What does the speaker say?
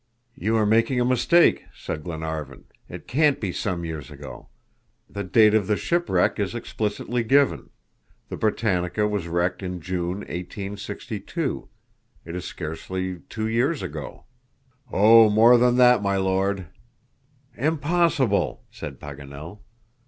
"You are making a mistake," said Glenarvan. "It can't be some years ago; the date of the shipwreck is explicitly given. The BRITANNIA was wrecked in June, 1862. It is scarcely two years ago." "Oh, more than that, my Lord." "Impossible!" said Paganel.